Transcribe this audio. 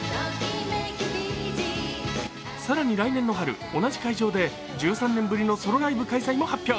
更に来年の春同じ会場で１３年ぶりのソロライブ開催も発表。